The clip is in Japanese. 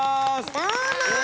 どうも！